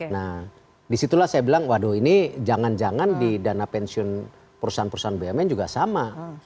nah disitulah saya bilang waduh ini jangan jangan di dana pensiun perusahaan perusahaan bumn juga sama